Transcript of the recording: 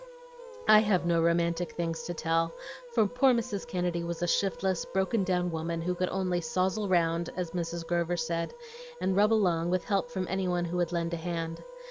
"I have no romantic things to tell, for poor Mrs. Kennedy was a shiftless, broken down woman, who could only 'sozzle round,' as Mrs. Grover said, and rub along with help from any one who would lend a hand.